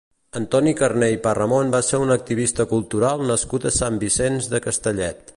Antoni Carné i Parramon va ser un activista cultural nascut a Sant Vicenç de Castellet.